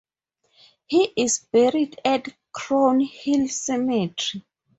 He is buried at Crown Hill Cemetery.